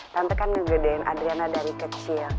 tante kan ngegedein adriana dari kecil